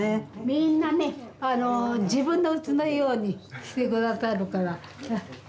みんなね自分のうちのようにしてくださるから。